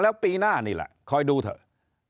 แล้วปีหน้านี่แหละคอยดูเถอะ